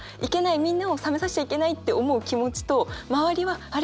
みんなを冷めさせちゃいけないって思う気持ちと周りはあれ？